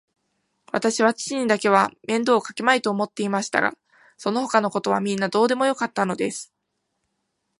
わたしは父にだけは面倒をかけまいと思っていましたが、そのほかのことはみんなどうでもよかったのです。